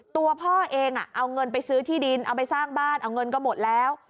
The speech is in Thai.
ตัวพ่อเองเอาเงินไปซื้อที่ดินเอาไปสร้างบ้านเอาเงินก็หมดแล้ว